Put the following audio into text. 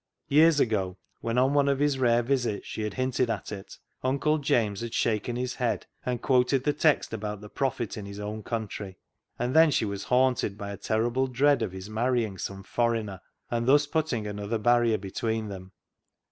Years ago, when on one of his rare visits she had hinted at it. Uncle James had shaken his head and quoted the text about the prophet in his own country. And then she was haunted by a terrible dread of his marrying some " forriner," and thus putting another barrier between them.